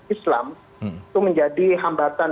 islam itu menjadi hambatan